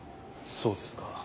そうですか。